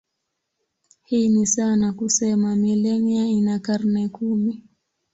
Hii ni sawa na kusema milenia ina karne kumi.